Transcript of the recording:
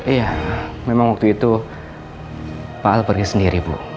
iya memang waktu itu pak al pergi sendiri bu